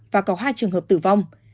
và có hai trường hợp tử vong